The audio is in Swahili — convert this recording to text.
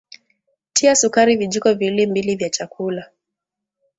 Tia sukari vijiko viwili mbili vya chakula